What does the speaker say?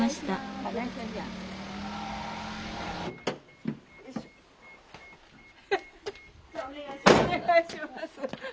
お願いします。